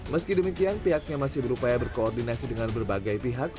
meski demikian pihaknya masih berupaya berkoordinasi dengan berbagai pihak